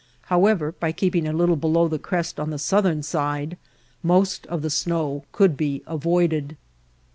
However, by keeping a little below the crest on the southern side most of the snow could be avoided.